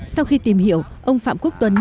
sau khi tìm hiểu ông phạm quốc tuấn